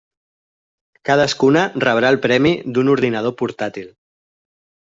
Cadascuna rebrà el premi d'un ordinador portàtil.